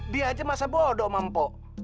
dia aja masa bodo sama lo